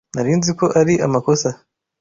Nari nzi ko ari amakosa.